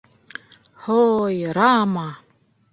Һо-ой, Рама!